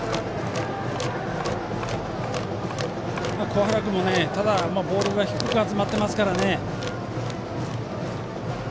桑原君もボールが低く集まってますからね。